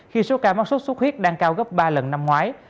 khi số ca mắc sốt xuất huyết đang cao gấp ba lần năm ngoái